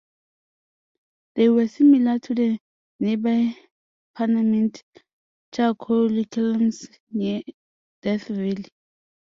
They were similar to the nearby Panamint Charcoal Kilns near Death Valley.